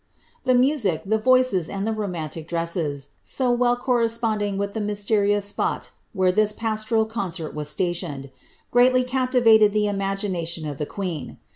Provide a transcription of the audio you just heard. The music, the voices, and the romantic dresses, so well correspond ing with the mysterious spot where this pastoral concert was stationed, greatly captivated the imagination of the queen.